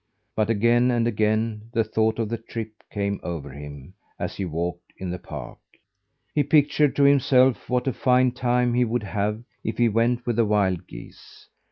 But again and again the thought of the trip came over him, as he walked in the park. He pictured to himself what a fine time he would have if he went with the wild geese.